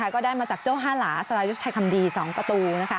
ก็ได้มาจากเจ้าห้าร้าสารัยุชไทยคำดี๒ประตู